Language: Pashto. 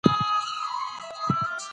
د انټرنیټ له لارې معلومات لټول کیږي.